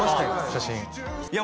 写真いや